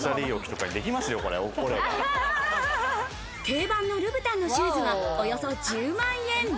定番のルブタンのシューズはおよそ１０万円。